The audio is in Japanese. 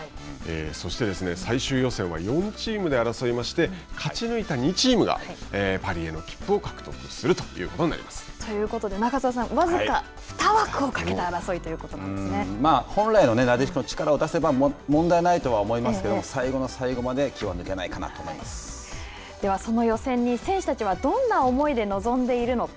そして、最終予選は４チームで争いまして勝ち抜いた２チームがパリへの切符を獲得するということで中澤さん僅か２枠をかけた本来のなでしこの力を出せば問題ないとは思いますけど最後の最後まででは、その予選に選手たちはどんな思いで臨んでいるのか。